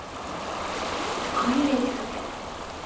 すごいうれしくて。